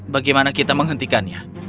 bagaimana kita menghentikannya